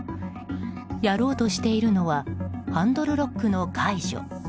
やろうとしているのはハンドルロックの解除。